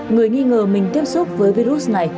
người nghi ngờ mình tiếp xúc với virus này